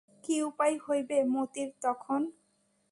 কী উপায় হইবে মতির তখন?